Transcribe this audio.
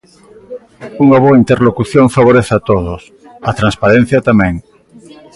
Unha boa interlocución favorece a todos, a transparencia tamén.